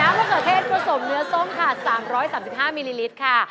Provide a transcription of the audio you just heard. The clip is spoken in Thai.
มะเขือเทศผสมเนื้อส้มค่ะ๓๓๕มิลลิลิตรค่ะ